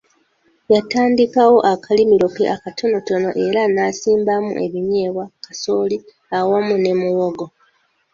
Yatandikawo akalimiro ke akatonotono era n'asimbamu ebinyeebwa, kasooli awamu ne muwogo.